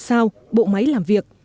sau bộ máy làm việc